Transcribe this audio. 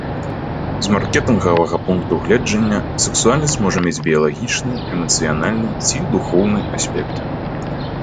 З маркетынгавага пункту гледжання сексуальнасць можа мець біялагічны, эмацыянальны ці духоўны аспекты.